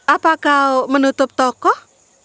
apakah kau menutup tokoh